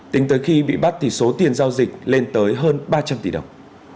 tính tới khi bị bắt thì số tiền giao dịch lên tới hơn ba trăm linh tỷ đồng